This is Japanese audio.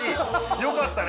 よかったね